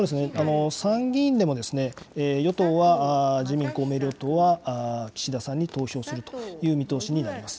参議院でも与党は自民、公明両党は岸田さんに投票するという見通しになります。